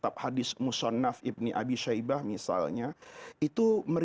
dalam hadis rasulullah dalam hadis mus'anaf ibni abi syaibah